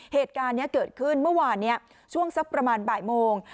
เหตุการณ์นี้เกิดขึ้นเมื่อวานนี้ช่วงสักประมาณบ่ายโมง